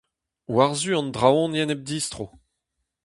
War-zu an Draoñienn hep distro !